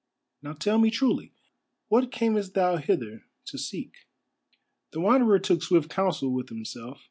Now tell me truly: what camest thou hither to seek?" The Wanderer took swift counsel with himself.